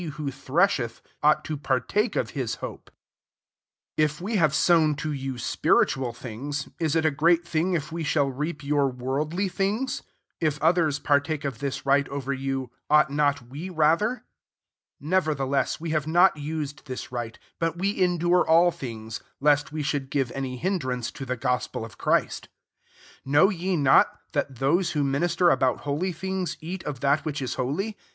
who thresheth mght to partake of his hope* IX If we have sown to you spiritual things^ ia it a great thing if we shall reap your MTorkUy things? 12 If ^Dthers ;)artake ^of tHa right over you, yu^ht not we rather ? Neverthe ess» we have not used this right ; but we endure all things, est we should give any hind ^uace to the gospel of Christ* 13 Know ye not, that those who ninister about holy things eat >f that which is holy